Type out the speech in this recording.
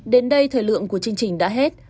đến đây thời lượng của chương trình đã hết